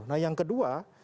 nah yang kedua